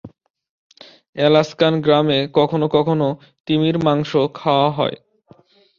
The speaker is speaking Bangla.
আলাস্কান গ্রামে, কখনও কখনও তিমির মাংস খাওয়া হয়।